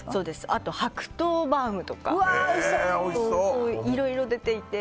あと白桃バウムとかいろいろ出ていて。